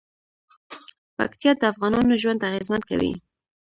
پکتیا د افغانانو ژوند اغېزمن کوي.